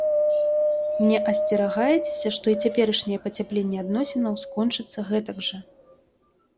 Не асцерагаецеся, што і цяперашняе пацяпленне адносінаў скончыцца гэтак жа?